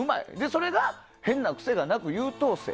それが、変な癖がなく優等生。